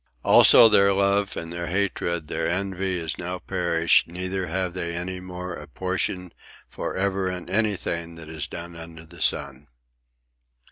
"Also their love, and their hatred, and their envy, is now perished; neither have they any more a portion for ever in anything that is done under the sun."